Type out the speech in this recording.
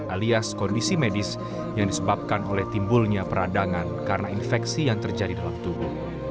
alias kondisi medis yang disebabkan oleh timbulnya peradangan karena infeksi yang terjadi dalam tubuh